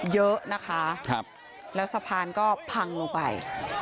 เยอะนะคะแล้วสะพานก็พังลงไป